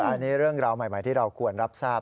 อันนี้เรื่องราวใหม่ที่เราควรรับทราบ